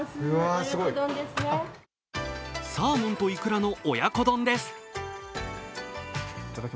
サーモンといくらの親子丼です。